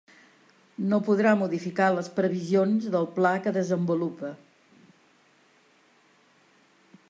No podrà modificar les previsions del pla que desenvolupa.